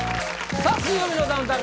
さあ「水曜日のダウンタウン」